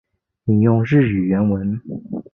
引用日语原文